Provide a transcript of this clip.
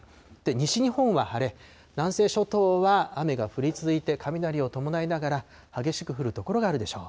西日本は晴れ、南西諸島は雨が降り続いて、雷を伴いながら、激しく降る所があるでしょう。